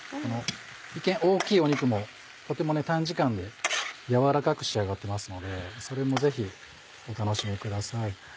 一見大きい肉もとても短時間で軟らかく仕上がってますのでそれもぜひお楽しみください。